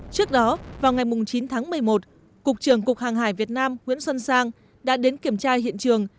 trước đó vào ngày chín tháng một mươi một cục trưởng cục hàng hải việt nam nguyễn xuân sang đã đến kiểm tra hiện trường